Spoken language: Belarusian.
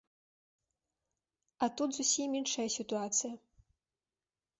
А тут зусім іншая сітуацыя.